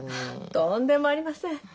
とんでもありません。